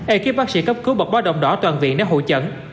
ekip bác sĩ cấp cứu bật báo đồng đỏ toàn viện để hỗ trận